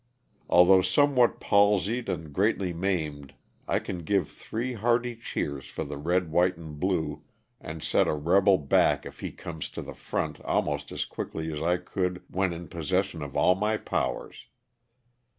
Although somewhat palsied and greatly maimed I can give three hearty cheers for the red, white and blue, and set a rebel back if he comes to the front almost as quickly as I could when in possession of all my powers.